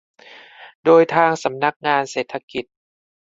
โดยทางสำนักงานเศรษฐกิจ